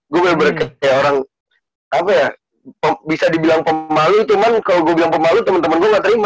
gue bener bener kayak orang apa ya bisa dibilang pemalu cuman kalau gue bilang pemalu temen temen gue gak terima